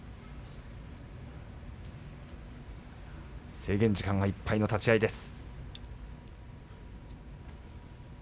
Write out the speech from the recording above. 制限時間がいっぱいの立ち合いです。